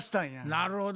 なるほど。